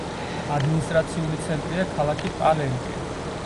ადმინისტრაციული ცენტრია ქალაქი პალენკე.